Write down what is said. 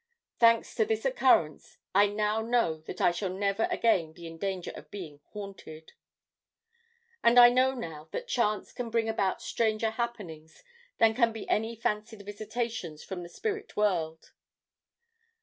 Thanks to this occurrence I know now that I shall never again be in danger of being 'haunted.' "And I know now that Chance can bring about stranger happenings than can any fancied visitations from the spirit world.